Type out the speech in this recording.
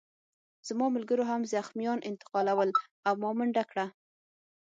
زما ملګرو هم زخمیان انتقالول او ما منډه کړه